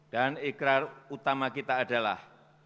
dan ikrar utama kita adalah